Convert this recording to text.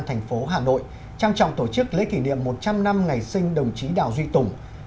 thành phố hà nội trang trọng tổ chức lễ kỷ niệm một trăm linh năm ngày sinh đồng chí đào duy tùng